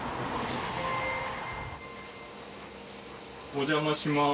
お邪魔します。